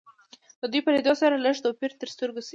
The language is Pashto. د دوی په لیدو سره لږ توپیر تر سترګو شي